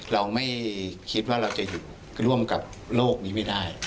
เราไม่คิดว่าเราจะอยู่ร่วมกับโลกนี้ไม่ได้